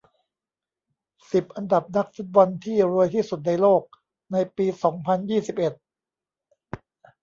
สิบ อันดับนักฟุตบอลที่รวยที่สุดในโลกในปี สองพันยี่สิบเอ็ด